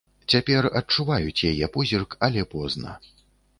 Цяпер адчуваюць яе позірк, але позна.